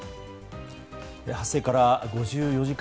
発生から５４時間。